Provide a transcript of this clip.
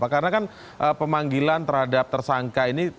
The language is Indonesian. karena kan pemanggilan terhadap tersangka ini